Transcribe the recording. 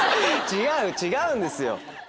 違う違うんですよ。